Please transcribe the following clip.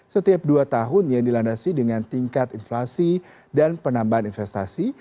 setiap dua tahun yang dilandasi dengan tingkat inflasi dan penambahan investasi